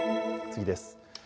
次です。